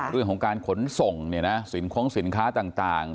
เรื่องของการขนส่งเนี่ยนะสินคงสินค้าต่าง